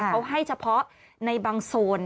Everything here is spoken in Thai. เขาให้เฉพาะในบางโซน